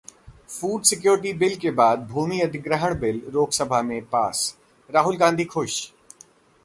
food security bill के बाद भूमि अधिग्रहण बिल लोकसभा में पास, राहुल गांधी खुश